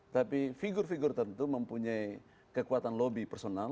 tapi figur figur tentu mempunyai kekuatan lobby personal